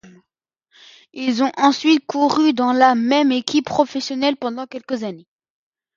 Ils ont ensuite couru dans la même équipe professionnelle pendant quelques années.